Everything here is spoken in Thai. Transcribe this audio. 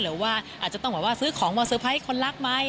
หรือว่าอาจจะต้องแบบว่าซื้อของมาเตอร์ไพรส์คนรักไหม